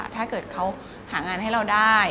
ถ้าเกิดเขาหางานให้เราได้